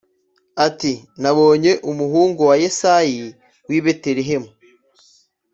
ati “Nabonye umuhungu wa Yesayi w’i Betelehemu.